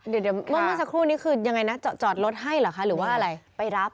เดี๋ยวเมื่อสักครู่นี้คือยังไงนะจอดรถให้เหรอคะหรือว่าอะไรไปรับ